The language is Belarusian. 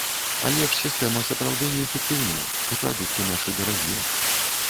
Але ж сістэма сапраўды неэфектыўная, і прадукты нашы дарагія.